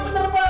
siap udang bu